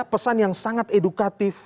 pesan yang sangat edukatif